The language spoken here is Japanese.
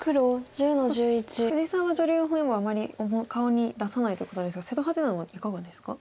藤沢女流本因坊はあまり顔に出さないということですが瀬戸八段はいかがですか？